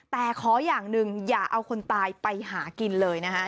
แต่ขออย่างหนึ่งอย่าเอาคนตายไปหากินเลยนะฮะ